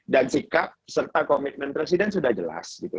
dan sikap serta komitmen presiden sudah jelas gitu